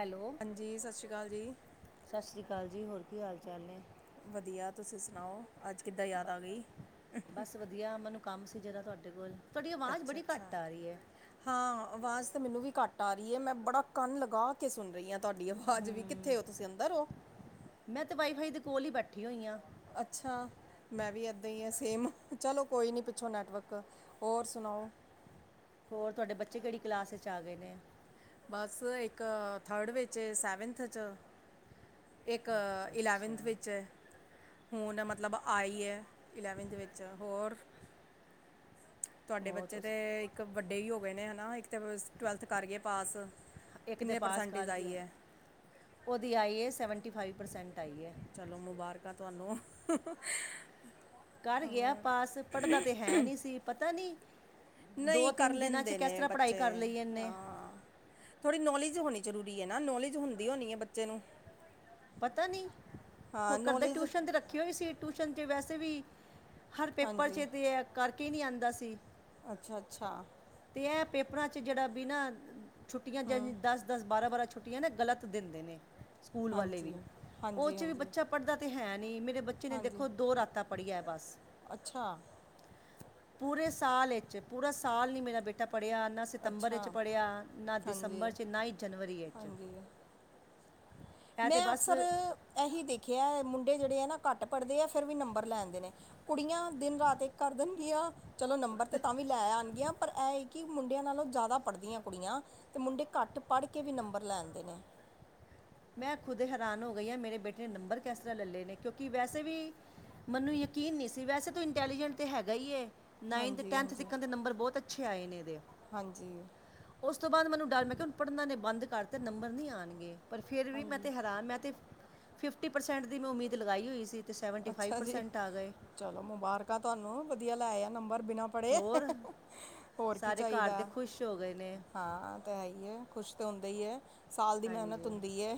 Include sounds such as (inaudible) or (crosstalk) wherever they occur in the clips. Hello. ਹਾਂਜੀ ਸਤਿ ਸ਼੍ਰੀ ਅਕਾਲ ਜੀ। ਸਤਿ ਸ਼੍ਰੀ ਅਕਾਲ ਜੀ, ਹੋਰ ਕੀ ਹਾਲ ਚਾਲ ਨੇ? ਵਧੀਆ ਤੁਸੀਂ ਸੁਣਾਓ ਅੱਜ ਕਿੱਦਾਂ ਯਾਦ ਆ ਗਈ? ਬਸ ਵਧੀਆ ਮੈਨੂੰ ਕੰਮ ਸੀ ਜ਼ਰਾ ਤੁਹਾਡੇ ਕੋਲ ਤੁਹਾਡੀ ਆਵਾਜ਼ ਅੱਛਾ ਬੜੀ ਅੱਛਾ ਘੱਟ ਆ ਰਹੀ ਹੈ। ਹਾਂ ਆਵਾਜ਼ ਤਾਂ ਮੈਨੂੰ ਵੀ ਘੱਟ ਆ ਰਹੀ ਹੈ ਮੈਂ ਬੜਾ ਕੰਨ ਲਗਾ ਕੇ ਸੁਣ ਰਹੀ ਹਾਂ। ਤੁਹਾਡੀ ਆਵਾਜ਼ ਵੀ ਕਿੱਥੇ ਹੋ ਤੁਸੀਂ ਅੰਦਰ ਹੋ? ਮੈਂ ਤੇ ਵਾਈਫਾਈ ਦੇ ਕੋਲ ਹੀ ਬੈਠੀ ਹੋਈ ਹਾਂ। ਅੱਛਾ। ਮੈਂ ਵੀ ਇੱਦਾਂ ਹੀ ਹਾਂ ਸੇਮ ਚਲੋ ਕੋਈ ਨਹੀਂ ਪਿੱਛੋਂ ਨੈਟਵਰਕ ਹੋਰ ਸੁਣਾਓ। ਹੋਰ ਤੁਹਾਡੇ ਬੱਚੇ ਕਿਹੜੀ ਕਲਾਸ 'ਚ ਆ ਗਏ ਨੇ। ਬਸ ਇੱਕ ਥਰਡ ਵਿੱਚ ਸੈਵਨਥ 'ਚ। ਇੱਕ ਅੱਛਾ ਅੱਛਾ ਇਲੈਵਨਥ ਵਿੱਚ ਹੈ। ਹੁਣ ਮਤਲਬ ਆਈ ਹੈ ਇਲੈਵੰਥ ਵਿੱਚ ਹੋਰ‌। ਤੁਹਾਡੇ ਉਹ ਬੱਚੇ ਤੁਸ ਤੇ ਇੱਕ ਵੱਡੇ ਹੀ ਹੋ ਗਏ ਨੇ ਹੈ ਨਾ ਇੱਕ ਤਾਂ ਟਵੈਲਥ ਕਰ ਗਏ ਪਾਸ। ਇੱਕ ਤੇ ਕਿੰਨੇ ਪਾਸ ਪਰਸੈਂਟੇਜ ਕਰ ਗਿਆ ਆਈ ਹੈ। ਉਹਦੀ ਆਈ ਏ ਸੈਵੈਂਟੀ ਫਾਈਵ ਪਰਸੈਂਟ ਆਈਏ। ਚਲੋ ਮੁਬਾਰਕਾਂ ਤੁਹਾਨੂੰ। ਕਰ ਗਿਆ ਪਾਸ ਪੜ੍ਹਦਾ ਤੇ ਹੈ ਨਹੀਂ ਸੀ ਪਤਾ ਨਹੀਂ। ਦੋ ਨਹੀਂ ਕਰ ਤਿੰਨ ਦਿਨਾਂ 'ਚ ਲੈਂਦੇ ਕਿਸ ਨੇ ਤਰ੍ਹਾਂ ਪੜ੍ਹਾਈ ਕਰ ਲਈ ਇਹਨੇ। ਥੋੜ੍ਹੀ ਨੌਲੇਜ ਹੋਣੀ ਜ਼ਰੂਰੀ ਹੈ ਨਾ ਨੌਲੇਜ ਹੁੰਦੀ ਹੋਣੀ ਹੈ ਬੱਚੇ ਨੂੰ ਪਤਾ ਨੀ ਔ ਹਾਂ ਕਰਦੇ ਨੌਲੇਜ ਟੂਸ਼ਨ ਤੇ ਰੱਖੀ ਹੋਈ ਸੀ ਟੂਸ਼ਨ ਚ ਵੈਸੇ ਵੀ ਹਰ ਪੇਪਰ ਹਾਂਜੀ ਚ ਤੇ ਐ ਕਰਕੇ ਨੀ ਆਦਾ ਸੀ। ਅੱਛਾ, ਅੱਛਾ। ਤੇ ਐ ਪੇਪਰਾਂ ਚ ਜੇੜਾ ਬੀ ਨਾਂ ਛੁੱਟੀਆਂ ਜਾਂ ਹੂੰ ਦਸ-ਦਸ, ਬਾਰਾਂ-ਬਾਰਾਂ ਛੁੱ ਛੁੱਟੀਆਂ ਤੇ ਗਲਤ ਦਿੰਦੇ ਨੇ ਸਕੂਲ ਵਾਲੇ ਹਾਂਜੀ ਵੀ, ਓਹ ਹਾਂਜੀ ਚ ਵੀ ਹਾਂਜੀ ਬੱਚਾ ਪੜ੍ਹਦਾ ਤੇ ਹੈ ਨੀ, ਮੇਰੇ ਬੱਚੇ ਨੇ ਹਾਂਜੀ ਦੇਖੋ ਦੋ ਰਾਤਾਂ ਪੜ੍ਹੀਆ ਬਸ। ਅੱਛਾ! ਪੂਰੇ ਸਾਲ ਏਚ ਪੂਰਾ ਸਾਲ ਨੀ ਮੇਰਾ ਬੇਟਾ ਪੜ੍ਹਿਆ, ਨਾ ਸਤੰਬਰ ਅੱਛਾ 'ਚ ਪੜ੍ਹਿਆ, ਨਾ ਹਾਂਜੀ ਦਿਸੰਬਰ 'ਚ, ਨਾ ਈ ਜਨਵਰੀ ਏਚ। ਹਾਂਜੀ ਮੈਂ ਬਸ ਅਕਸਰ ਇਹੀ ਦੇਖਿਆ ਮੁੰਡੇ ਜਿਹੜੇ ਐ ਨਾ ਘੱਟ ਪੜ੍ਹਦੇ ਆ ਫੇਰ ਵੀ ਨੰਬਰ ਲੈਂ ਆੰਦੇ ਨੇ, ਕੁੜੀਆਂ ਦਿਨ-ਰਾਤ ਇੱਕ ਕਰ ਦੇਣਗੀਆਂ, ਚਲੋ ਨੰਬਰ ਤੇ ਤਾਂ ਵੀ ਲੈ ਆਣਗੀਆਂ ਪਰ ਐ ਏ ਕਿ ਮੁੰਡਿਆਂ ਨਾਲੋਂ ਜਿਆਦਾ ਪੜਦੀਆ ਕੁੜੀਆਂ ਤੇ ਮੁੰਡੇ ਘੱਟ ਪੜ੍ਹ ਕੇ ਵੀ ਨੰਬਰ ਲੈਂ ਆੰਦੇ ਨੇ। ਮੈਂ ਖੁਦ ਹੈਰਾਨ ਹੋ ਗਈ ਆਂ ਮੇਰੇ ਬੇਟੇ ਨੇ ਨੰਬਰ ਕੈਸ ਤਰ੍ਹਾਂ ਲੈ ਲਏ ਨੇ ਕਿਉਂਕਿ ਵੈਸੇ ਵੀ ਮੈਨੂੰ ਯਕੀਨ ਨੀ ਸੀ, ਵੈਸੇ ਤੋ ਇੰਟੈਲੀਜੈਂਟ ਤੇ ਹੈਗਾ ਈ ਏ। ਨਾਈਨਥ ਹਾਂਜੀ ਟੈਂਨਥ ਹਾਂਜੀ ਤਿਕਣ ਤੇ ਨੰਬਰ ਬਹੁਤ ਅੱਛੇ ਆਏ ਨੇ ਏਦੇ। ਹਾਂਜੀ ਉਸ ਤੋਂ ਬਾਦ ਮੈਨੂੰ ਡਰ ਮੈਂ ਕਿਹਾ ਹੁਣ ਪੜ੍ਹਨਾ ਏਨੇ ਬੰਦ ਕਰਤਾ ਨੰਬਰ ਨਹੀਂ ਆਣਗੇ। ਪਰ ਫੇਰ ਵੀ ਮੈਂ ਹਾਂਜੀ ਤੇ ਹੈਰਾਨ ਮੈਂ ਤੇ ਫਿਫਟੀ ਪਰਸੈਂਟ ਦੀ ਮੈਂ ਉਮੀਦ ਲਗਾਈ ਹੋਈ ਸੀ। ਤੇ ਸੈਵਨਟੀ ਫਾਈਵ ਅੱਛਾ ਜੀ ਪਰਸੈਂਟ ਆ ਗਏ। ਚਲੋ ਮੁਬਾਰਕਾਂ ਤੁਹਾਨੂੰ, ਵਧੀਆ ਲੈ ਆਇਆ ਨੰਬਰ ਬਿਨਾਂ ਪ ਪੜੇ ਹੋਰ ਹੋਰ ਕੀ ਸਾਰੇ ਘਰ ਦੇ ਚਾਈਦਾ। ਖੁਸ਼ ਹੋ ਗਏ ਨੇ ਹਾਂ ਔ ਤੇ ਹੈ ਈ ਏ, ਖੁਸ਼ ਤੇ ਹੁੰਦਾ ਹੀ ਏ। ਸਾਲ ਦੀ ਮਿਹਨਤ ਹਾਂਜੀ ਹੁੰਦੀ ਏ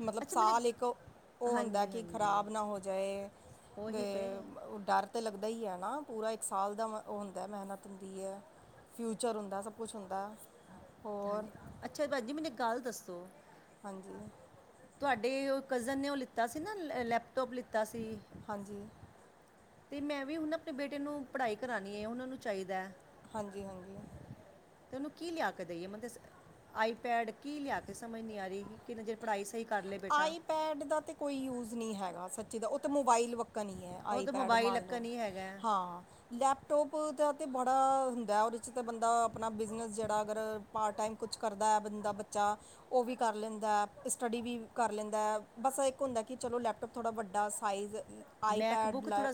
ਮਤਲਬ ਅੱਛਾ ਮੈਨੇ ਸਾਲ ਇੱਕ ਉਹ ਹੁੰਦੈ ਹਾਂਜੀ ਕਿ ਹਾਂਜੀ ਖ਼ਰਾਬ ਨਾ ਹੋ ਜਾਏ ਉਹੀ ਤੇ ਗਏ ਉਹ ਡਰ ਤੇ ਲੱਗਦਾ ਈ ਐ ਨਾ ਪੂਰਾ ਇੱਕ ਸਾਲ ਦਾ ਮ ਓਹ ਹੁੰਦੈ ਮਿਹਨਤ ਹੁੰਦੀ ਐ। ਫਿਊਚਰ ਹੁੰਦਾ ਸਭ ਕੁਛ ਹੁੰਦਾ, ਹੋਰ। ਹਾਂਜੀ ਅੱਛਾ ਭੈਣ ਜੀ ਮੈਨੂੰ ਇਕ ਗੱਲ ਦੱਸੋ? ਹਾਂਜੀ। ਤੁਹਾਡੀ ਔ ਕਜ਼ਨ ਨੇ ਓਹ ਲਿੱਤਾ ਸੀ ਨਾ ਲੈਪਟੋਪ ਲਿੱਤਾ ਸੀ। ਹਾਂਜੀ। ਤੇ ਮੈਂ ਵੀ ਹੁਣ ਨਾ ਅਪਣੇ ਬੇਟੇ ਨੂੰ ਪੜ੍ਹਾਈ ਕਰਾਣੀ ਏ, ਹੁਣ ਓਨੂੰ ਚਾਈਦੈ। ਹਾਂਜੀ, ਹਾਂਜੀ। ਤੇ ਔਨੂੰ ਕੀ ਲਿਆ ਕੇ ਦੇਈਏ ਮੈਨੂੰ ਤੇ ਸ ਆਈਪੈਡ ਕੀ ਲਿਆ ਕੇ ਸਮਝ ਨੀ ਆਰੀ। ਕਿੰਨਾ ਜੇ ਪੜ੍ਹਾਈ ਸਹੀ ਕਰ ਲੇ ਬੇਟਾ। ਪੈਡ ਦਾ ਤੇ ਕੋਈ ਯੂਸ ਨੀ ਹੈਗਾ ਸੱਚੀ ਦਾ ਔ ਤੇ ਮੋਬਾਈਲ ਵੱਕਣ ਈ ਐ। ਉਹ ਤਾਂ ਆਈਪੈਡ ਮੋਬਾਈਲ ਮੰਨ ਅੱਕਾ ਲੋ, ਨਹੀਂ ਹੈਗਾ ਹਾਂ। ਲੈਪਟੋਪ ਦਾ ਤਾਂ ਬੜਾ ਹੁੰਦਾ ਐ, ਓਦੇ 'ਚ ਤਾਂ ਬੰਦਾ ਅਪਣਾ ਬਿਜ਼ਨਸ ਜੇੜਾ ਅਗਰ ਪਾਰਟ ਟਾਈਮ ਕੁਛ ਕਰਦਾ ਐ ਬੰਦਾ ਬੱਚਾ ਓਹ ਵੀ ਕਰ ਲੈਂਦੈ, ਸਟੱਡੀ ਵੀ ਕਰ ਲੈਂਦਾ, ਬਸ ਐ ਇੱਕ ਹੁੰਦੈ ਕਿ ਚਲੋ ਲੈਪਟੋਪ ਥੋੜ੍ਹਾ ਵੱਡਾ ਸਾਈਜ਼ ਆਈ ਪੈਡ ਮੈਕਬੁੱਕ ਲੈ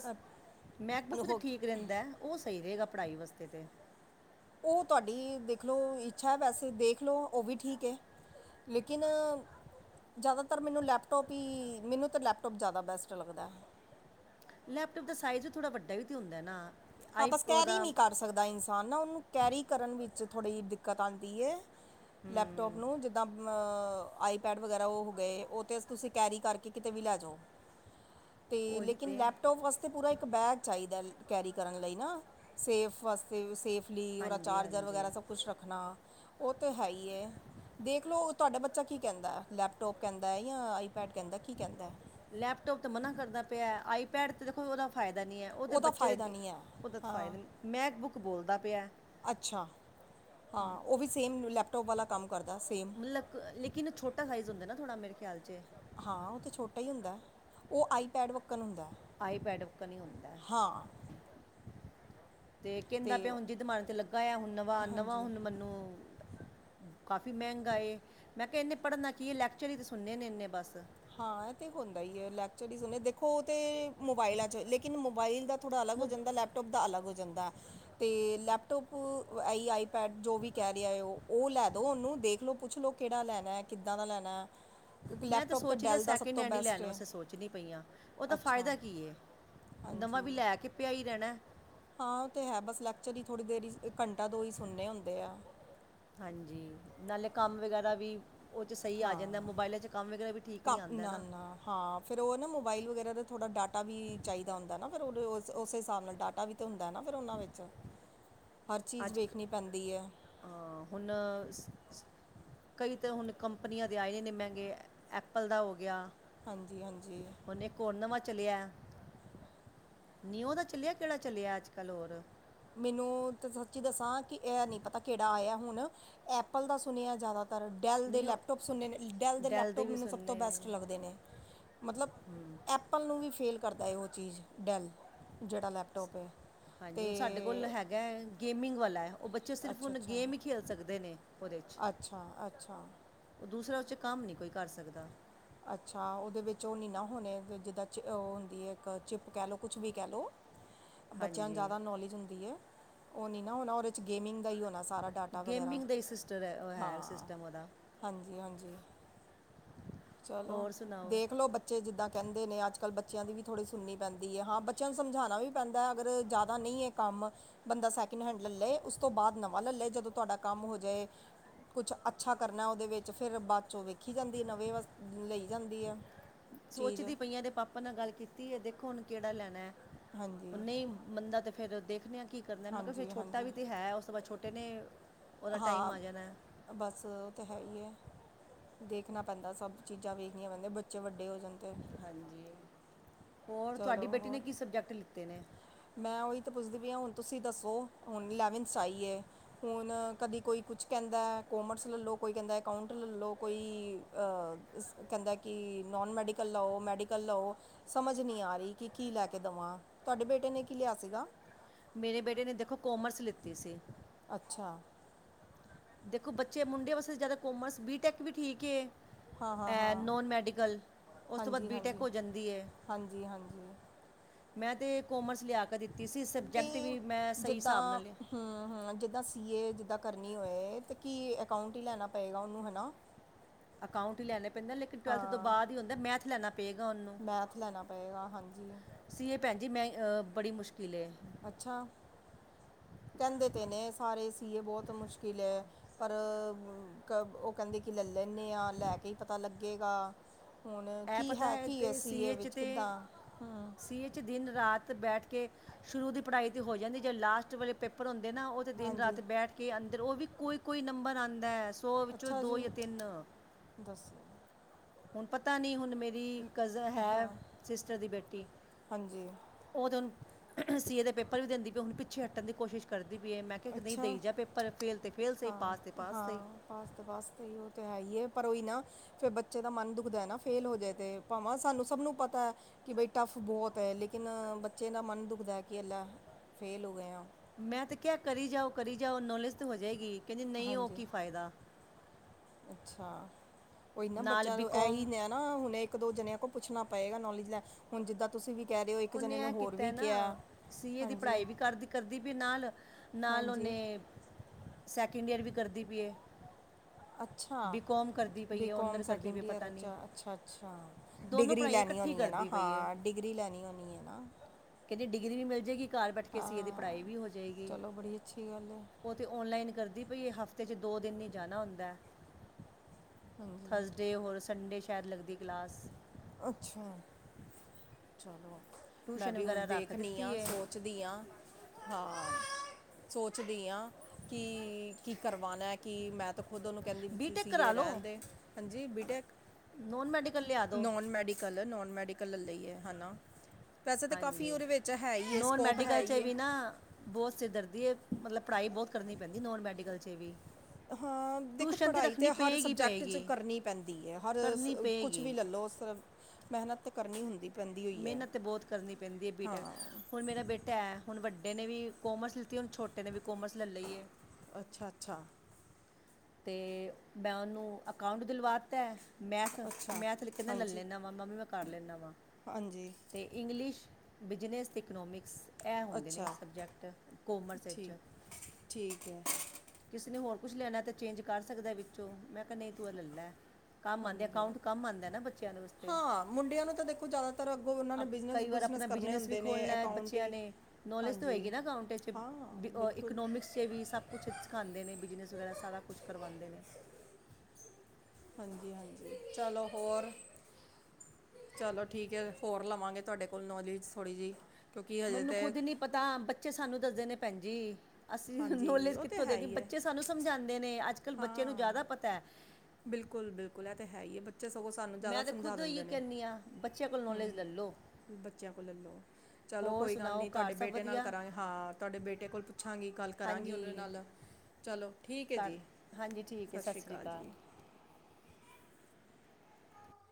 ਹੋ ਗ੍ਰਿੰਦੈ ਓਹ ਸਹੀ ਰਹੇਗਾ ਪੜ੍ਹਾਈ ਵਾਸਤੇ ਤੇ। ਓਹ ਤੁਆਡੀ ਦੇਖ ਲੋ ਇੱਛਾ ਐ, ਵੈਸੇ ਦੇਖ ਲੋ ਓਹ ਵੀ ਠੀਕ ਏ। ਲੇਕਿਨ ਜੈਦਾਤਰ ਮੈਨੂੰ ਲੈਪਟੋਪ ਹੀ ਮੈਨੂੰ ਤੇ ਲੈਪਟੋਪ ਜੈਦਾ ਬੈਸਟ ਲੱਗਦੈ। ਲੈਪਟੋਪ ਦਾ ਸਾਈਜ਼ ਵੀ ਥੋੜ੍ਹਾ ਵੱਡਾ ਵੀ ਤੇ ਹੁੰਦੈ ਨਾ। ਹਾਂ ਆਈ ਬਸ ਕੈਰੀ ਉਹਦਾ ਨੀ ਕਰ ਸਕਦਾ ਇਨਸਾਨ ਨਾ ਉਨੂੰ ਕੈਰੀ ਕਰਨ ਵਿੱਚ ਥੋੜ੍ਹੀ ਜਿ ਦਿੱਕਤ ਆੰਦੀ ਏ। ਲੈਪਟੋਪ ਹਮ, ਨੂੰ ਜਿੱਦਾਂ ਵ ਆਈਪੈਡ ਵਗੈਰਾ ਓਹ ਹੋ ਗਏ ਓਹ ਤੇ ਤੁਸੀਂ ਕੈਰੀ ਕਰਕੇ ਕਿਤੇ ਵੀ ਲੈ ਜੋ। ਤੇ ਉਹੀ ਲੇਕਿਨ ਤੇ ਲੈਪਟੋਪ ਵਾਸਤੇ ਪੂਰਾ ਇੱਕ ਬੈਗ ਚਾਹੀਦਾ ਕੈਰੀ ਕਰਨ ਲਈ ਨਾ ਸੇਫ ਵਾਸਤੇ ਸੇਫਲੀ ਉਹਦਾ ਹਾਂਜੀ ਚਾਰਜਰ ਹਾਂਜੀ ਵਗੈਰਾ ਸਭ ਕੁਛ ਰੱਖਣਾ, ਉਹ ਤੇ ਹੈ ਹੀ ਹੈ, ਦੇਖ ਲਓ ਤੁਹਾਡਾ ਬੱਚਾ ਕੀ ਕਹਿੰਦਾ ਲੈਪਟੋਪ ਕਹਿੰਦਾ ਜਾਂ ਆਈਪੈਡ ਕਹਿੰਦਾ ਕੀ ਕਹਿੰਦਾ ਹੈ ਲੈਪਟੋਪ ਤੇ ਮਨਾ ਕਰਦਾ ਪਿਆ ਆਈਪੈਡ ਤੇ ਦੇਖੋ ਉਹਦਾ ਫਾਇਦਾ ਨਹੀਂ ਹੈ, ਉਹਦੇ ਉਹਦਾ ਬੱਚੇ ਫਾਇਦਾ ਦੇ ਨਹੀਂ ਹੈ ਉਹਦੇ ਹਾਂ ਫਾਇਦਾ ਮੈਂਕ ਬੁੱਕ ਬੋਲਦਾ ਪਿਆ ਅੱਛਾ ਹਾਂ, ਉਹ ਵੀ ਸੇਮ ਲੈਪਟੋਪ ਵਾਲਾ ਕੰਮ ਕਰਦਾ ਸੇਮ ਲੇਕਿਨ ਔ ਛੋਟਾ ਸਾਈਜ਼ ਹੁੰਦਾ ਨਾ ਥੋੜਾ ਮੇਰੇ ਖਿਆਲ ਚ, ਹਾਂ ਉਹ ਤੇ ਛੋਟਾ ਹੀ ਹੁੰਦਾ, ਉਹ ਆਈਪੈਡ ਵੱਕਣ ਹੁੰਦਾ ਹੈ ਆਈਪੈਡ ਉੱਕਾ ਨਹੀਂ ਹੁੰਦਾ ਹੈ। ਹਾਂ, ਤੇ ਅਤੇ ਕਹਿੰਦਾ ਪਿਆ ਹੁਣ ਜਿਦ ਮਾਰ ਕੇ ਲੱਗਾ ਹੋਆ ਹੁਣ ਨਵਾਂ ਨਵਾਂ ਹਾਂਜੀ ਹੁਣ ਮੈਨੂੰ, ਕਾਫੀ ਮਹਿੰਗਾ ਏ ਮੈਂ ਕਿਹਾ ਇੰਨੇ ਪੜ੍ਹਨਾ ਕੀ ਹੈ, ਲੈਕਚਰ ਹੀ ਤਾਂ ਸੁਣੇ ਨੇ ਇੰਨੇ ਬਸ ਹਾਂ ਇਹ ਤੇ ਹੁੰਦਾ ਹੀ ਹੈ ਲੈਕਚਰ ਦੇਖੋ ਉਹ ਤੇ ਮੋਬਾਇਲਾਂ ਚ ਲੇਕਿਨ ਮੋਬਾਇਲ ਦਾ, ਥੋੜ੍ਹਾ ਅੱਗ ਹੋ ਮੋ- ਜਾਂਦਾ ਲੈਪਟੋਪ ਦਾ ਅਲੱ ਹੋ ਜਾਂਦਾ ਹੈ, ਤੇ ਲੈਪਟੋਪ ਆਈ ਆਈਪੈਡ ਜੋ ਵੀ ਕਹਿ ਰਿਹਾ ਉਹ ਲੈ ਦੋ ਉਹਨੂੰ ਦੇਖ ਲਓ ਪੁੱਛ ਲਓ ਕਿਹੜਾ ਲੈਣਾ ਕਿੱਦਾਂ ਦਾ ਲੈਣਾ, (unintelligible) ਲੈਪ (unintelligible) ਸੋਚ ਰੀ ਆਂ, ਸੈਕਿੰਡ ਹੈਂਡ ਹੀ ਲੈਣ ਨੂੰ ਵਾਸੇ ਸੋਚਣੀ ਪਈਆਂ ਉਹਦਾ ਅੱਛਾ ਫਾਇਦਾ ਕੀ ਹੈ ਨਵਾਂ ਵੀ ਹਾਂਜੀ ਲੈ ਕੇ ਪਿਆ ਹੀ ਰਹਿਣਾ, ਹਾਂ ਉਹ ਤੇ ਹੈ ਬਸ ਲੈਕਚਰ ਹੀ ਥੋੜ੍ਹੀ ਦੇਰ ਹੀ ਘੰਟਾ ਦੋ ਹੀ ਸੁਣੇ ਹੁੰਦੇ ਆ, ਹਾਂਜੀ ਨਾਲੇ ਕੰਮ ਵਗੈਰਾ ਵੀ, ਉਹ ਚ ਸਹੀ ਆ ਜਾਂਦਾ ਹਾਂ ਮੋਬਾਇਲਾਂ ਚ ਕੰਮ ਵਗੈਰਾ ਵੀ ਠੀਕ ਨਹੀਂ ਆਉਦਾ ਨਾ, ਹਾਂ ਫਿਰ ਉਹ ਨਾ ਮੋਬਾਈਲ ਵਗੈਰਾ ਦਾ ਥੋੜ੍ਹਾ ਡਾਟਾ ਵੀ ਚਾਹੀਦਾ ਹੁੰਦਾ ਨਾ, ਫਿਰ ਉਹਦੇ ਉਸ ਉਸੇ ਹਿਸਾਬ ਨਾਲ ਡਾਟਾ ਵੀ ਹੁੰਦਾ ਨਾ ਫਿਰ ਉਹਨਾਂ ਵਿੱਚੋ (inaudible) ਹਰ ਚੀਜ਼ ਵੇਖਣੀ ਪੈਂਦੀ ਐ ਆ ਹੁਣ ਕਈ ਤੇ ਹੁਣ ਕੰਪਨੀਆਂ ਦੇ ਆਏ ਨੇ ਮਹਿੰਗੇ, ਐਪਲ ਦਾ ਹੋ ਗਿਆ ਹਾਂਜੀ-ਹਾਂਜੀ। ਹੁਣ ਇੱਕ ਹੋਰ ਨਵਾਂ ਚਲਿਆ ਨਿਓ ਦਾ ਚੱਲਿਆ, ਕਿਹੜਾ ਚੱਲਿਆ ਅੱਜ-ਕੱਲ੍ਹ ਹੋਰ? ਮੈਨੂੰ ਤੇ ਸੱਚੀ ਦੱਸਾਂ ਕਿ ਐਹ ਨੀ ਪਤਾ ਕਿਹੜਾ ਆਇਆ ਹੁਣ, ਐਪਲ ਦਾ ਸੁਣਿਆ ਜ਼ਿਆਦਾ ਪਰ ਡੈਲ ਦੇ ਨਿਓ ਲੈਪਟੋਪ ਸੁਣੇ ਨੇ, ਡੈਲ ਦੇ ਲੈਪਟੋਪ ਵੀ ਮੈਨੂੰ ਸਭ ਤੋਂ ਸੁਣਨੇ ਬੈਸਟ ਨੇ ਲੱਗਦੇ ਨੇ ਮਤਲਬ ਐਪ ਪਲ ਨੂੰ ਵੀ ਫੇਲ ਕਰਦਾ ਏ ਉਹ ਚੀਜ਼, ਡੈੱਲ ਜਿਹੜਾ ਲੈਪਟੋਪ ਏ ਹਾਂਜੀ, ਹੁਣ ਸਾਡੇ ਕੋਲ ਹੈਗਾ ਗੇਮਿੰਗ ਵਾਲਾ ਐ, ਉਹ ਬੱਚੇ ਸਿਰਫ ਹੁਣ ਗੇਮ ਈ ਖੇਲ ਸਕਦੇ ਨੇ ਉਹਦੇ 'ਚ ਅੱਛਾ-ਅੱਛਾ। ਉਹ ਦੂਸਰਾ ਉਹ 'ਚ ਕੰਮ ਨੀ ਕੋਈ ਕਰ ਸਕਦਾ ਅੱਛਾ, ਉਹਦੇ ਵਿੱਚ ਉਹ ਨੀ ਨਾ ਹੋਣੇ, ਜਿੱਦਾਂ ਚਿ ਉਹ ਹੁੰਦੀ ਏ ਇੱਕ ਚਿੱਪ ਕਹਿ ਲਉ ਕੁਛ ਵੀ ਕਹਿ ਲਉ (inaudible) ਬੱਚਿਆਂ ਨੂੰ ਜ਼ਿਆਦਾ ਨੌਲੇਜ ਹੁੰਦੀ ਏ, ਉਹ ਨੀ ਨਾ ਹੋਣਾ ਉਹਦੇ 'ਚ ਗੇਮਿੰਗ ਦਾ ਈ ਸਾਰਾ ਡਾਟਾ ਵਗੈਰਾ ਗੇਮਿੰਗ ਦਾ ਹੀ ਸਿਸਟਰ ਹੈ ਉਹ ਹੈ ਹਾਂ, ਸਿਸਟਮ ਉਹਦਾ ਹਾਂਜੀ-ਹਾਂਜੀ। ਚਲੋ, ਹੋਰ ਸੁਣਾਓ ਦੇਖ ਲੋ ਬੱਚ ਬੱਚੇ ਜਿੱਦਾਂ ਕਹਿੰਦੇ ਨੇ ਅੱਜ-ਕੱਲ੍ਹ ਬੱਚਿਆਂ ਦੀ ਵੀ ਥੋੜ੍ਹੀ ਸੁਣਨੀ ਪੈਂਦੀ ਆ, ਹਾਂ ਬੱਚਿਆਂ ਨੂੰ ਸਮਝਾਣਾ ਵੀ ਪੈਂਦਾ ਅਗਰ ਜ਼ਿਆਦਾ ਨਹੀਂ ਏ ਕੰਮ, ਬੰਦਾ ਸੈਕਿੰਡ ਹੈਂਡ ਲਲ੍ਹੈ, ਉਸ ਤੋਂ ਬਾਅਦ ਨਵਾਂ ਲਲ੍ਹੈ ਜਦੋਂ ਤੁਹਾਡਾ ਕੰਮ ਹੋ ਜਾਏ ਕੁਛ ਅੱਛਾ ਕਰਨਾ ਉਹਦੇ ਵਿੱਚ ਫੇਰ ਬਾਅਦ ਚੋਂ ਵੇਖੀ ਜਾਂਦੀ ਨਵੇਂ ਵਸ ਲਈ ਜਾਂਦੀ ਆ ਸੋਚਦੀ ਪਈਆਂ ਏਦੇ ਪਾਪਾ ਨਾਲ ਗੱਲ ਕੀਤੀ ਏ, ਦੇਖੋ ਹੁਣ ਕਿਹੜਾ ਲੈਣਾ, ਹਾਂਜੀ ਹੁਣ ਨਹੀਂ ਮੰਨਦਾ ਤੇ ਫਿਰ ਦੇਖਦੇ ਆ ਕੀ ਕਰਨਾ ਮੈਂ ਕਿਹਾ ਫਿਰ ਹਾਂਜੀ ਛੋਟਾ ਹਾਂਜੀ ਵੀ ਤਾਂ ਹੈ, ਉਸ ਤੋਂ ਬਾਅਦ ਛੋਟੇ ਨੇ ਉਹਦਾ ਟਾਈਮ ਹਾਂ, ਆ ਜਾਣਾ ਹੈ। ਬਸ ਉਹ ਤਾਂ ਹੈ ਈ ਐ ਦੇਖਣਾ ਪੈਂਦਾ ਸਭ ਚੀਜ਼ਾਂ ਵੇਖਣੀਆਂ ਪੈਂਦੀਆਂ, ਬੱਚੇ ਵੱਡੇ ਹੋ ਜਾਣ ਤੇ ਹਾਂਜੀ, ਹੋਰ ਤੁਹਾਡੀ ਚਲੋ ਬੇਟੀ ਨੇ ਹੋਰ ਕੀ ਸਬਜੈਕਟ ਲਿੱਤੇ ਨੇ ਮੈਂ ਉਹੀ ਤੇ ਪੁੱਛਦੀ ਪਈ ਆ ਹੁਣ ਤੁਸੀਂ ਦੱਸੋ? ਹੁਣ ਇਲਵੰਥ 'ਚ ਆਈ ਏ ਹੁਣ ਕਦੀ ਕੋਈ ਕੁਛ ਕਹਿੰਦਾ, ਕੋਮਰਸ ਲਲੋ, ਕੋਈ ਕਹਿੰਦਾ ਅਕਾਊਂਟ ਲਲੋ, ਕੋਈ ਅ ਕਹਿੰਦਾ ਕਿ ਨੋਨ ਮੈਡੀਕਲ ਲਓ, ਮੈਡੀਕਲ ਲਓ ਸਮਝ ਨਈ ਆ ਰ‌ਈ ਕਿ ਕੀ ਲੈ ਕੇ ਦਵਾਂ, ਤੁਹਾਡੇ ਬੇਟੇ ਨੇ ਕੀ ਲਿਆ ਸੀਗਾ? ਮੇਰੇ ਬੇਟੇ ਨੇ ਦੇਖੋ, ਕੋਮਰਸ ਲਿੱਤੀ ਸੀ। ਅੱਛਾ। ਦੇਖੋ ਬੱਚੇ, ਮੁੰਡੇ ਵਾਸਤੇ ਜ਼ਿਆਦਾ ਕੋਮਰਸ, ਬੀਟੈਕ ਵੀ ਠੀਕ ਏ। ਹਾਂ ਹਾਂ ਐ ਹਾਂ ਨੋਨ ਮੈਡੀਕਲ ਉਸ ਤੋਂ ਬਾਅਦ ਹਾਂਜੀ ਬੀਟੈਕ ਹਾਂਜੀ ਹੋ ਜਾਂਦੀ ਏ। ਹਾਂਜੀ ਹਾਂਜੀ ਮੈਂ ਤੇ ਕੋਮਰਸ ਲਿਆ ਕੇ ਦਿੱਤੀ ਸੀ, ਸਬਜੈਕਟ ਵੀ ਮੈਂ ਸਹੀ ਸਾਬ੍ਹ ਨਾਲ ਲਿਆ ਹੂੰ-ਹੂੰ, ਜਿੱਦਾਂ ਸੀ ਏ, ਜਿੱਦਾਂ ਕਰਨੀ ਹੋਏ ਤੇ ਕੀ ਅਕਾਊਂਟ ਈ ਲੈਣਾ ਪਏਗਾ ਉਹਨੂੰ ਹੈਨਾ। (inaudible) ਅਕਾਊਂਟ ਈ ਲੈਣੇ ਪੈਂਦੇ, ਲੇਕਿਨ ਟਵੈਲਥ ਤੋਂ ਹਾਂ ਬਾਅਦ ਈ ਹੁੰਦਾ, ਮੈਥ ਲੈਣਾ ਪਏਗਾ ਉਹਨੂੰ। ਮੈਥ ਲੈਣਾ ਪਏਗਾ ਹਾਂਜੀ ਸੀ ਏ, ਭੈਣ ਜੀ ਮੈਂ ਅ ਬੜੀ ਮੁਸ਼ਕਿਲ ਏ ਅੱਛਾ, ਕਹਿੰਦੇ ਤੇ ਨੇ ਸਾਰੇ, ਸੀ ਏ ਬਹੁਤ ਮੁਸ਼ਕਿਲ ਏ ਪਰ ਕ ਉਹ ਕਹਿੰਦੇ ਕਿ ਲੈ ਲੈਂਦੇ ਹਾਂ ਲੈ ਕੇ ਹੀ ਪਤਾ ਲੱਗੇਗਾ ਹੁਣ ਇਹ ਕੀ ਪਤਾ ਹੈ ਕੀਏ ਤੇ ਸੀ ਏ ਸੀਏ ਚ ਵਿੱਚ ਤੇ ਕਿੱਦਾਂ ਹੂ ਸੀਏ ਦਿਨ ਰਾਤ ਬੈਠ ਕੇ ਸ਼ੁਰੂ ਦੀ ਪੜ੍ਹਾਈ ਤੇ ਹੋ ਜਾਂਦੀ ਜੇ ਲਾਸਟ ਵੇਲੇ ਪੇਪਰ ਹੁੰਦੇ ਨਾ ਉਹ ਦਿਨ ਹਾਂਜੀ ਰਾਤ ਬੈਠ ਕੇ ਅੰਦਰ ਉਹ ਵੀ ਕੋਈ- ਕੋਈ ਨੰਬਰ ਆਉਂਦਾ ਹੈ ਸੌ ਵਿੱਚੋਂ ਦੋ ਜਾਂ ਤਿੰਨ ਦੱਸਿਆ ਹੁਣ ਪਤਾ ਨਈ ਹੁਣ ਮੇਰੀ ਕਜਨ ਹੈ ਸਿਸਟਰ ਦੀ ਬੇਟੀ ਹਾਂਜੀ ਉਹ ਤੇ ਹੁਣ ਸੀ ਏ ਦੇ ਪੇਪਰ ਵੀ ਦਿੰਦੀ ਪਈ ਹੁਣ ਪਿੱਛੇ ਹਟਣ ਦੀ ਕੋਸ਼ਿਸ਼ ਕਰਦੀ ਪਈਏ ਮੈਂ ਨਈ ਅੱਛਾ ਦਈ ਜਾ ਪੇਪਰ ਫੇਲ ਤੇ ਫੇਲ ਸਹੀ ਹਾਂ ਪਾਸ ਤੇ ਪਾਸ ਸਹੀ ਹਾਂ ਪਾਸ ਤੇ ਪਾਸ, ਤੇ ਉਹ ਤੇ ਹੈ ਹੀ ਹੈ ਪਰ ਉਹੀ ਨਾ ਫੇਰ ਬੱਚੇ ਦਾ ਮਨ ਦੁਖਦਾ ਨਾ ਫੇਲ ਹੋ ਜਾਏ ਤੇ ਭਾਵਾਂ ਸਾਨੂੰ ਸਭ ਨੂੰ ਪਤਾ ਹੈ। ਕਿ ਬਾਈ ਟੱਫ ਬਹੁਤ ਹੈ ਲੇਕਿਨ ਬੱਚੇ ਦਾ ਮਨ ਦੁਖਦਾ ਹੈ ਕਿ ਅਲਾ ਫੇਲ੍ਹ ਹੋ ਗਏ ਹਾਂ ਮੈਂ ਤੇ ਕਿਹਾ ਕਰੀ ਜਾਓ, ਕਰੀ ਜਾਓ ਨੌਲੇਜ ਤਾਂ ਹੋ ਜਾਏਗੀ ਕਹਿੰਦੀ ਨਈ ਉਹ ਕੀ ਹਾਂਜੀ ਫਾਇਦਾ ਅੱਛਾ ਉਹੀ ਨਾ ਨਾਲ ਬੱਚਿਆਂ ਨੂੰ ਬੀਕੌਮ ਇਹੀ ਨੇ ਨਾ ਹੁਣ ਇੱਕ ਦੋ ਜਣਿਆਂ ਕੋਲ ਪੁੱਛਣਾ ਪਏਗਾ ਨੌਲੇਜ ਲੈ ਹੁਣ ਜਿੱਦਾਂ ਤੁਸੀਂ ਵੀ ਕਹਿ ਰਹੇ ਹੋ ਇੱਕ ਉਹਨੇ ਜਣੇ ਨੇ ਇਹ ਹੋਰ ਕੀਤਾ ਵੀ ਕਿਹਾ ਨਾ, ਸੀ ਏ ਦੀ ਹਾਂਜੀ ਪੜ੍ਹਾਈ ਵੀ ਕਰਦੀ, ਕਰਦੀ ਪਈ ਨਾਲ ਨਾਲ ਹਾਂਜੀ ਉਹਨੇ ਸੈਕਿੰਡ ਈਅਰ ਵੀ ਕਰਦੀ ਪਈਏ ਅੱਛਾ ਬੀਕੌਮ ਕਰਦੀ ਪਈ ਸੈਕਿੰਡ ਈਅਰ ਪਤਾ ਵਿਚ ਨਹੀਂ ਹੈ ਅੱਛਾ, ਅੱਛਾ, ਅੱਛਾ ਦੋਨੋਂ ਡਿਗਰੀ ਪੜ੍ਹਾਈਆਂ ਲੈਣੀ ਇਕੱਠੀ ਹੋਣੀ ਹੈ ਨਾ, ਕਰਦੀ ਪਈ ਹਾਂ ਡਿਗਰੀ ਲੈਣੀ ਹੋਣੀ ਹੈ ਨਾ ਕਹਿੰਦੇ ਡਿਗਰੀ ਵੀ ਮਿਲ ਜਾਏਗੀ ਘਰ ਬੈਠ ਕੇ ਸੀ ਇਹ ਦੀ ਹਾਂ ਪੜ੍ਹਾਈ ਵੀ ਹੋ ਜਾਏਗੀ ਚਲੋ ਬੜੀ ਅੱਛੀ ਗੱਲ ਹੈ ਉਹ ਤੇ ਓਨਲਾਈਨ ਕਰਦੀ ਪਈ ਏ, ਹਫ਼ਤੇ ਚ ਦੋ ਦਿਨ ਹੀ ਜਾਣਾ ਹੁੰਦਾ ਹਾਂਜੀ ਠਰਸਡੇ ਹੋਰ ਸੰਡੇ ਸ਼ਾਇਦ ਲੱਗਦੀ ਕਲਾਸ ਅੱਛਾ, ਚਲੋ ਮੈਂ ਟਿਊਸ਼ਨ ਵੀ ਹੁਣ ਵਗੈਰਾ ਰੱਖ ਦੇਖਣੀ ਆ ਦਿੱਤੀ ਸੋਚ ਹੈ ਸੋਚਦੀ ਆਂ ਹਾਂ ਸੋਚਦੀ ਹਾਂ ਕਿ, ਕੀ ਕਰਵਾਣਾ ਕੀ ਮੈਂ ਓਹ ਦੋਨੋ ਕਹਿੰਦੀ ਵੀਸੀ, ਬੀਟੈਕ ਸੀ ਕਰਾ ਏ ਰਹਿਣ ਲਓ ਦੇ ਹਾਂਜੀ ਬੀਟੈਕ ਨੋਨ ਮੈਡੀ ਨੋਨ ਮੈਡੀਕਲ, ਨੋਨ ਮੈਡੀਕਲ ਲਈਏ ਹੈਨਾ ਵੈਸੇ ਤੇ ਕਾਫੀ ਹਾਂਜੀ ਉਹਦੇ ਵਿੱਚ ਹੈ ਹੀ ਹੈ ਨੋਨ ਸਕੋਪ ਹੈ ਮੈਡੀਕਲ 'ਚ ਹੀਏ ਵੀ ਨਾ ਬਹੁਤ ਸਿਰ ਦਰਦੀ ਹੈ ਮਤਲਬ ਪੜ੍ਹਾਈ ਬਹੁਤ ਕਰਨੀ ਪੈਂਦੀ ਨੋਨ ਮੈਡੀਕਲ 'ਚ ਵੀ ਹਾਂ ਦੇਖੋ ਟਿਊਸ਼ਨ ਤਾਂ ਪੜ੍ਹਾਈ ਰੱਖਣੀ ਤੇ ਹਰ ਪਏਗੀ ਸਬਜੈਕਟ 'ਚ ਪਏਗੀ ਕਰਨੀ ਪੈਂਦੀ ਹੈ ਹਰ ਕਰਨੀ ਕੁਛ ਪਏਗੀ ਵੀ ਲੈ ਲਓ ਮਿਹਨਤ ਤੇ ਕਰਨੀ ਹੁੰਦੀ ਪੈਂਦੀ ਹੋਈ ਹੈ ਮਿਹਨਤ ਤਾਂ ਬਹੁਤ ਕਰਨੀ ਪੈਂਦੀ ਹੈ ਹਾਂ ਬੀਟੈਕ ਹੁਣ ਮੇਰਾ ਬੇਟਾ ਹੈ ਹੁਣ ਵੱਡੇ ਨੇ ਵੀ ਕੋਮਰਸ ਲਿੱਤੀ ਹੁਣ ਛੋਟੇ ਨੇ ਵੀ ਕੋਮਰਸ ਲੈ ਲਈਏ ਅੱਛਾ ਅੱਛਾ ਅਤੇ ਮੈਂ ਉਹਨੂੰ ਅਕਾਊਂਟ ਦਿਲਵਾ ਦਿੱਤਾ ਹੈ ਮੈਥ ਅੱਛਾ ਮੈਥ ਕਹਿੰਦਾ ਲੈ ਹਾਂਜੀ ਲੈਂਦਾ ਵਾ ਮੰਮੀ ਮੈਂ ਕਰ ਲੈਂਦਾ ਵਾਂ ਹਾਂਜੀ ਅਤੇ ਇੰਗਲਿਸ਼ ਬਿਜਨਸ ਇਕਨੋਮਿਕਸ ਇਹ ਹੁੰਦੇ ਨੇ ਅੱਛਾ ਸਬਜੈਕਟ ਕੋਮਰਸ ਵਿੱਚ ਠੀਕ ਠੀਕ ਹੈ ਕਿਸੇ ਨੇ ਹੋਰ ਕੁਝ ਲੈਣਾ ਤੇ ਚੇਂਜ ਕਰ ਸਕਦਾ ਵਿੱਚੋਂ ਮੈਂ ਕਿਹਾ ਨਹੀਂ ਤੂੰ ਇਹ ਲੈ ਲੈ ਕੰਮ ਆਉਂਦੇ ਹਾਂਜੀ ਅਕਾਊਂਟ ਕੰਮ ਆਉਂਦਾ ਨਾ ਬੱਚਿਆਂ ਦੇ ਵਾਸਤੇ, ਹਾਂ ਮੁੰਡਿਆਂ ਨੂੰ ਤਾਂ ਦੇਖੋ ਜ਼ਿਆਦਾਤਰ ਅੱਗੋਂ ਉਹਨਾਂ ਨੇ ਬਿਜ਼ਨਸ ਕਈ ਵਾਰ ਬਿਜ਼ਨਸ ਆਪਣਾ ਕਰਨੇ ਬਿਜਨਸ ਵੀ ਹੁੰਦੇ ਨੇ ਖੋਲ ਲੈ ਅਕਾਊਂਟ ਬੱਚਿਆਂ ਹੀ ਨੇ, ਨੌਲੇਜ ਤਾਂ ਹਾਂਜੀ ਹੋਏਗੀ ਨਾ ਅਕਾਊਂਟ 'ਚ ਹਾਂ ਬਿਲਕੁਲ ਇਕੋਨੋਮਿਕਸ 'ਤੇ ਵੀ ਸਭ ਕੁਛ ਸਿਖਾਉਂਦੇ ਨੇ ਬਿਜਨਸ ਵਗੈਰਾ ਸਾਰਾ ਕੁਛ ਕਰਵਾਉਂਦੇ ਨੇ ਹਾਂਜੀ ਹਾਂਜੀ ਚਲੋ ਹੋਰ ਚਲੋ ਠੀਕ ਹੈ, ਹੋਰ ਲਵਾਂਗੇ ਤੁਹਾਡੇ ਕੋਲ ਨੌ ਜ ਥੋੜ੍ਹੀ ਜਿਹੀ ਮੈਨੂੰ ਖੁਦ ਨੀ ਪਤਾ ਬੱਚੇ ਸਾਨੂੰ ਦੱਸਦੇ ਨੇ ਭੈਣ ਜੀ ਅਸੀਂ ਹਾਂਜੀ ਨੌਲੇਜ ਉਹ ਤੇ ਕਿੱਥੋਂ ਹੈ ਦੇਣੀ ਹੀ ਹੈ ਬੱਚੇ ਸਾਨੂੰ ਸਮਝਾਉਂਦੇ ਨੇ ਅੱਜ ਕੱਲ੍ਹ ਬੱਚੇ ਨੂੰ ਹਾਂ ਜ਼ਿਆਦਾ ਪਤਾ ਹੈ। ਬਿਲਕੁਲ ਬਿਲਕੁਲ ਇਹ ਤਾਂ ਹੈ ਹੀ ਹੈ ਬੱਚ ਬੱਚੇ ਸਗੋਂ ਸਾਨੂੰ ਜ਼ਿਆਦਾ ਮੈਂ ਤਾਂ ਸਮਝਾ ਖੁਦ ਇਹੋ ਦਿੰਦੇ ਨੇ ਕਹਿੰਦੀ ਆ ਬੱਚੇ ਕੋਲ ਨੌਲੇਜ ਹਮ। ਲੈ ਲਓ ਬੱਚਿਆਂ ਕੋਲ ਲੈਲੋ ਚਲੋ ਹੋਰ ਕੋਈ ਗੱਲ ਸੁਣਾਓ ਨੀ ਘਰ ਤੁਹਾਡੇ ਸਭ ਬੇਟੇ ਨਾਲ ਵਧੀਆ ਕਰਾਂਗੇ ਹਾਂ ਤੁਹਾਡੇ ਬੇਟੇ ਕੋਲ ਪੁੱਛਾਂਗੀ ਗੱਲ ਕਰਾਂਗੀ ਉਹਦੇ ਹਾਂਜੀ ਨਾਲ ਚਲੋ ਠੀਕ ਹੈ ਘਰ ਜੀ, ਹਾਂਜੀ ਠੀਕ ਹੈ ਸਤਿ ਸ਼੍ਰੀ ਅਕਾਲ ਜੀ।